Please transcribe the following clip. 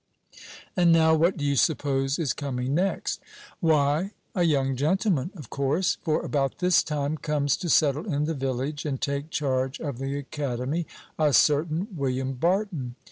And now, what do you suppose is coming next? Why, a young gentleman, of course; for about this time comes to settle in the village, and take charge of the academy, a certain William Barton.